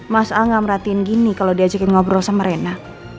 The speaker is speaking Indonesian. mas al nggak merhatiin gini kalau diajak ngobrol sama rena